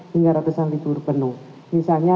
hingga ratusan ribu berpenuh misalnya